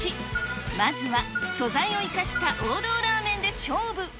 まずは素材を生かした王道ラーメンで勝負。